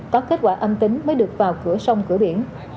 có kết quả âm tính mới được vào cửa sông cửa biển